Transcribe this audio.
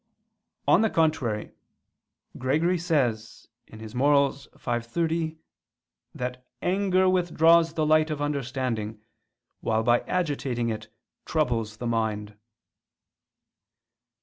On the contrary, Gregory says (Moral. v, 30) that anger "withdraws the light of understanding, while by agitating it troubles the mind."